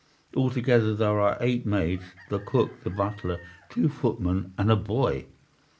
Altogether there are eight maids, the cook, the butler, two footmen, and a boy.